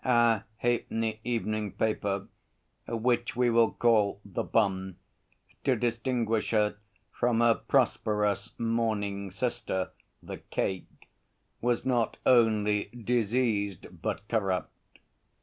Our halfpenny evening paper, which we will call The Bun to distinguish her from her prosperous morning sister, The Cake, was not only diseased but corrupt.